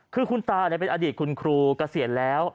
คือคุณตาเป็นอดีตคุณครูเกษียณแล้ว